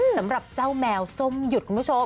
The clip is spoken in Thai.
สำหรับเจ้าแมวส้มหยุดคุณผู้ชม